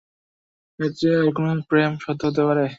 এর চেয়ে আর কোন প্রেম, সত্য হতে পারে?